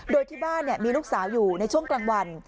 โดยที่บ้านมีลูกสาวอยู่ในช่วงกลางวัน